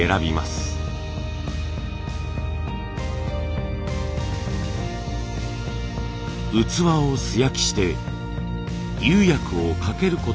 器を素焼きして釉薬をかけることにしたのです。